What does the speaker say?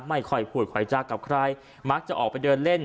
ไม่ค่อยพูดค่อยจากับใครมักจะออกไปเดินเล่น